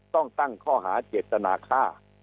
ต้องตั้งข้อหาเจตนาฆ่า